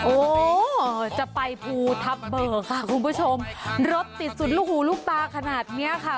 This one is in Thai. โอ้จะไปภูทับเบิกค่ะคุณผู้ชมรถติดสุดลูกหูลูกตาขนาดเนี้ยค่ะ